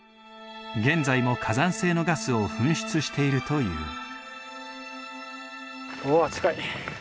現在も火山性のガスを噴出しているという。